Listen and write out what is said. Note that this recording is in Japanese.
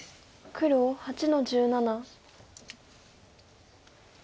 黒８の十七。